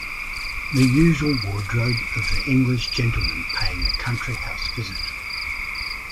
The usual wardrobe of the English gentleman paying a country-house visit.